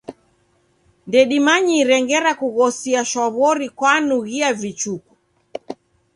Ndedimanyire ngera kughosia shwaw'ori kwanughi vichuku.